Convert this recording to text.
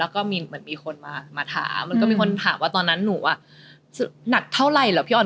ก็มีคนมาถามมีคนถามว่าตอนนั้นหนักเท่าไหร่เหรอพี่ออน